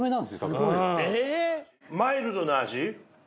マイルドな味。